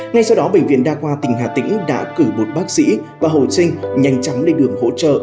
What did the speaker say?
ngay sau đó bệnh viện đa khoa tỉnh hà tĩnh đã cử một bác sĩ và hậu sinh nhanh chóng lên đường hỗ trợ